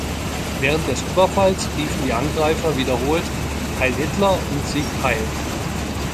Während des Überfalls riefen die Angreifer wiederholt „Heil Hitler“ und „Sieg Heil“.